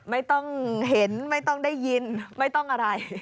ไม่ต้องเห็นไม่ต้องได้ยินไม่ต้องอะไร